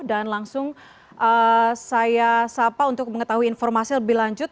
dan langsung saya sapa untuk mengetahui informasi lebih lanjut